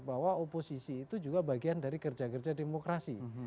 bahwa oposisi itu juga bagian dari kerja kerja demokrasi